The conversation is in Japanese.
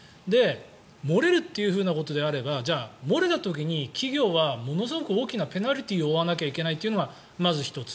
漏れるというふうなことであれば漏れた時に企業はものすごく大きなペナルティーを負わなきゃいけないというのがまず１つ。